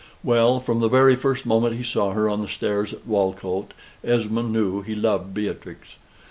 Well, from the very first moment he saw her on the stairs at Walcote, Esmond knew he loved Beatrix.